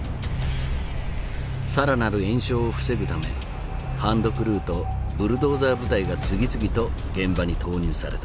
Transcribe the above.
更なる延焼を防ぐためハンドクルーとブルドーザー部隊が次々と現場に投入された。